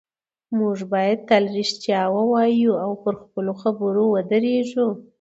موږ باید تل رښتیا ووایو او پر خپلو خبرو ودرېږو